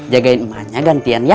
jagain emangnya gantian ya